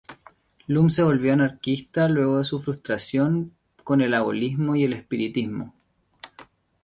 Lum se volvió anarquista luego de su frustración con el abolicionismo y el espiritismo.